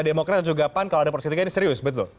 demokrasi dan juga pan kalau ada poros ketiga ini serius betul